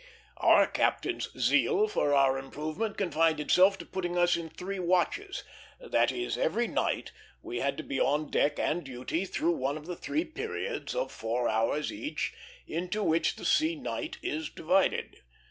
Our captain's zeal for our improvement confined itself to putting us in three watches; that is, every night we had to be on deck and duty through one of the three periods, of four hours each, into which the sea night is divided.